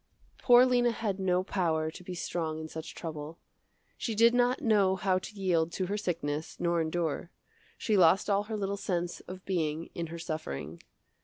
Poor Lena had no power to be strong in such trouble. She did not know how to yield to her sickness nor endure. She lost all her little sense of being in her suffering.